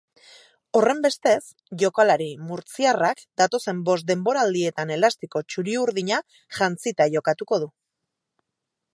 Horrenbestez, jokalari murtziarrak datozen bost denboraldietan elastiko txuri-urdina jantzita jokatuko du.